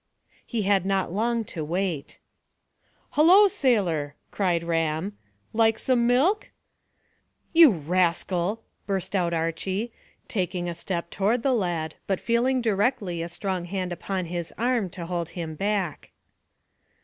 He had not long to wait. "Hullo, sailor!" cried Ram; "like some milk?" "You rascal!" burst out Archy, taking a step toward the lad, but feeling directly a strong hand upon his arm to hold him back.